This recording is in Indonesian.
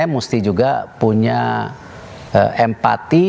mesti juga punya empati